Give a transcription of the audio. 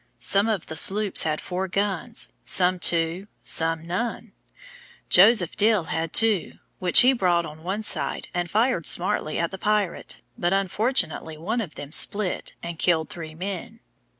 Some of the sloops had four guns, some two, some none. Joseph Dill had two, which he brought on one side, and fired smartly at the pirate, but unfortunately one of them split, and killed three men.